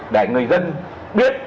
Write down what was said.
để người dân biết